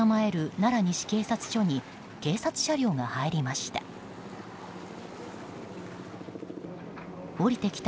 奈良西警察署に警察車両が入りました。